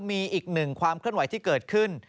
มีอีกหนึ่งความเคลื่อนไหวที่เกิดขึ้น